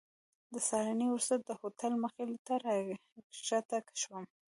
د سهارنۍ وروسته د هوټل مخې ته راښکته شوم.